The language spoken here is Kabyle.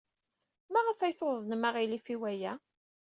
Maɣef ay tuḍnem aɣilif i waya?